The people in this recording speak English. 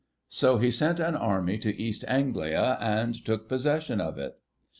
So he sent an army to East Anglia, and took possession of it.